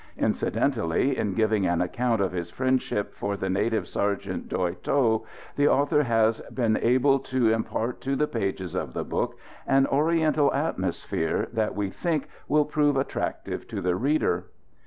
Incidentally, in giving an account of his friendship for the native sergeant, Doy Tho, the author has been able to impart to the pages of the book an Oriental atmosphere that we think will prove attractive to the reader.